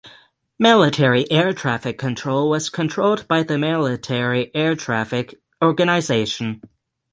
Military air traffic control was controlled by the Military Air Traffic Organisation.